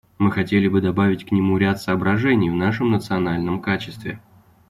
Мы хотели бы добавить к нему ряд соображений в нашем национальном качестве.